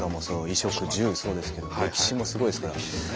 衣食住そうですけど歴史もすごいですけど。